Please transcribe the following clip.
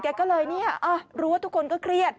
แกก็เลยเนี่ยรู้ว่าทุกคนก็เครียด